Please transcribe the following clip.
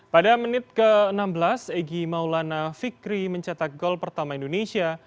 pada menit ke enam belas egy maulana fikri mencetak gol pertama indonesia